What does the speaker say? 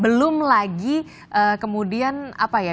belum lagi kemudian apa ya